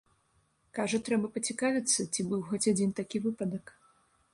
Кажа, трэба пацікавіцца, ці быў хоць адзін такі выпадак.